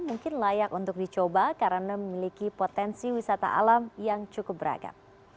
mungkin layak untuk dicoba karena memiliki potensi wisata alam yang cukup beragam